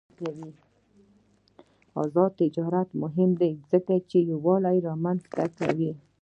آزاد تجارت مهم دی ځکه چې یووالي رامنځته کوي.